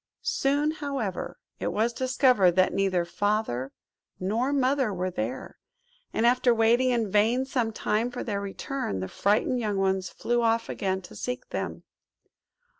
Soon, however, it was discovered that neither Father nor Mother were there; and after waiting in vain some time for their return, the frightened young ones flew off again to seek them.